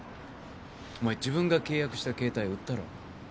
お前自分が契約した携帯売ったろう。